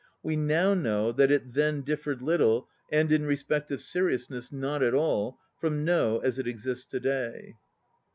We now know that it then differed little (and in respect of seriousness not at all) from No as it exists to day.